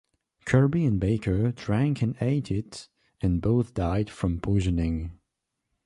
Kirby and Baker drank and ate it, and both died from poisoning.